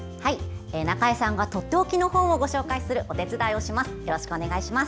中江さんがとっておきの本をご紹介するお手伝いをします。